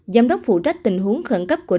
giám đốc phụ trách tình huống khẩn cấp